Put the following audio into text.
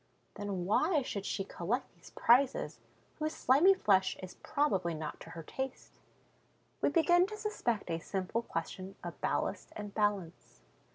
Then why should she collect these prizes, whose slimy flesh is probably not to her taste? We begin to suspect a simple question of ballast and balance.